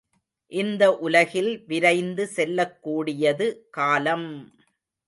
இந்த உலகில் விரைந்து செல்லக்கூடியது காலம்!